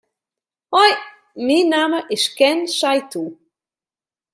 Hoi, myn namme is Ken Saitou.